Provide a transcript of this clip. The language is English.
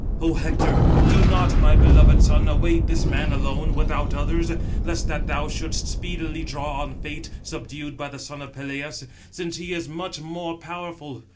"O Hector, do not, my beloved son, await this man alone, without others; lest that thou shouldst speedily draw on fate, subdued by the son of Peleus; since he is much more powerful.